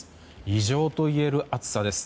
異常といえる暑さです。